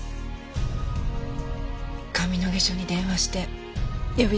上野毛署に電話して呼び出したわ。